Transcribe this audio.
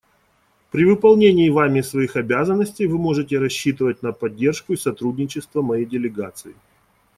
При выполнении вами своих обязанностей вы можете рассчитывать на поддержку и сотрудничество моей делегации.